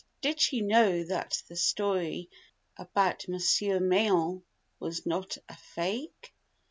How did she know that the story about Monsieur Mayen was not a "fake"?